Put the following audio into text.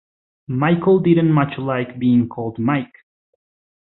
Michael didn't much like being called Mike.